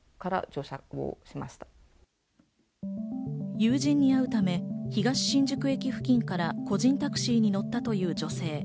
友人に会うため、東新宿駅付近から個人タクシーに乗ったという女性。